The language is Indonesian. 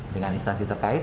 dengan instansi terkait